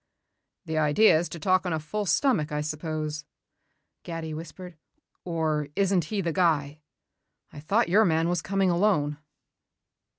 "The idea is to talk on a full stomach, I suppose," Gatti whispered. "Or isn't he the guy? I thought your man was coming alone."